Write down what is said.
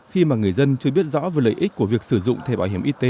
khi mà người dân chưa biết rõ về lợi ích của việc sử dụng thẻ bảo hiểm y tế